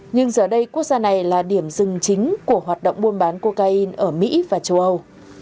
nhưng giờ đây quốc gia này là điểm dừng chính của hoạt động buôn bán cocaine ở mỹ và châu âu